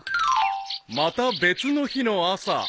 ［また別の日の朝］